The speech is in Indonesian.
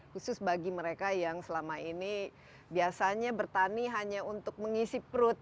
khusus bagi mereka yang selama ini biasanya bertani hanya untuk mengisi perut